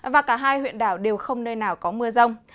và cả hai huyện đảo đều không nơi nào có mưa rông